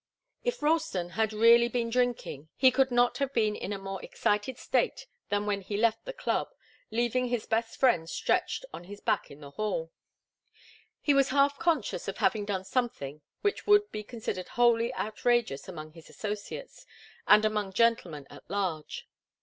If Ralston had really been drinking, he could not have been in a more excited state than when he left the club, leaving his best friend stretched on his back in the hall. He was half conscious of having done something which would be considered wholly outrageous among his associates, and among gentlemen at large.